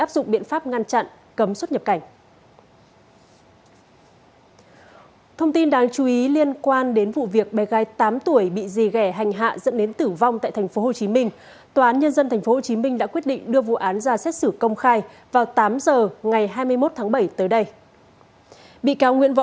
xin chào các bạn